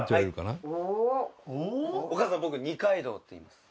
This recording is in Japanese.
「お母さん僕二階堂っていいます」